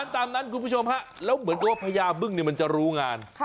ตามนั้นคุณผู้ชมฮะแล้วเหมือนกับว่าพญาบึ้งมันจะรู้งาน